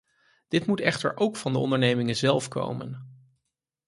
Dit moet echter ook van de ondernemingen zelf komen.